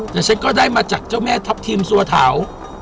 แต่ฉันก็ได้มาจากเจ้าแม่ทัพทิมสัวเถา